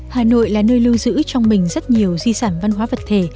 hà nội là nơi lưu giữ trong mình rất nhiều di sản văn hóa vật thể